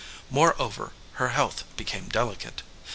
More over, her health became delicate.